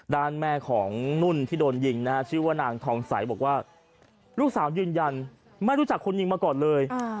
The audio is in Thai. ด้านแม่ของนุ่นที่โดนยิงนะฮะชื่อว่านางทองใสบอกว่าลูกสาวยืนยันไม่รู้จักคนยิงมาก่อนเลย